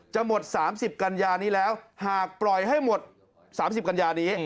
หมด๓๐กันยานี้แล้วหากปล่อยให้หมด๓๐กันยานี้